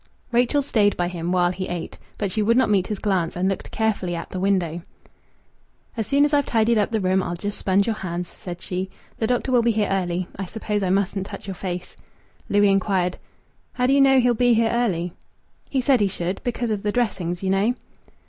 Rachel stayed by him while he ate, but she would not meet his glance, and looked carefully at the window. "As soon as I've tidied up the room, I'll just sponge your hands," said she. "The doctor will be here early. I suppose I mustn't touch your face." Louis inquired "How do you know he'll be here early?" "He said he should because of the dressings, you know."